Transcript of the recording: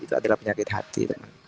itu adalah penyakit hati